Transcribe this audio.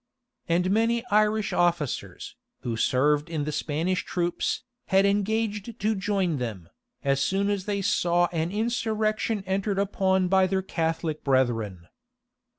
And many Irish officers, who served in the Spanish troops, had engaged to join them, as soon as they saw an insurrection entered upon by their Catholic brethren.